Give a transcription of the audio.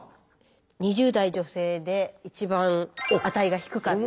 ２０代女性で一番値が低かった。